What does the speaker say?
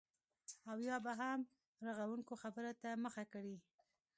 او یا به هم رغونکو خبرو ته مخه کړي